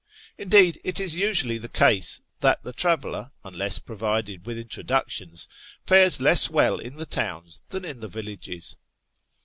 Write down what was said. Indeed it is usually the case that the traveller (unless pro vided with introductions) fares less well in the towns than in the villages.